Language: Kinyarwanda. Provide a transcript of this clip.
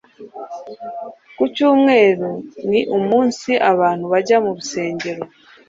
Ku cyumweru ni umunsi abantu bajya mu rusengero